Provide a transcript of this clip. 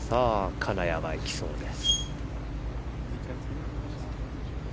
金谷がいきそうです。